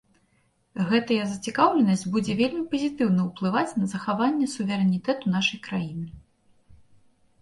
Гэтая зацікаўленасць будзе вельмі пазітыўна ўплываць на захаванне суверэнітэту нашай краіны.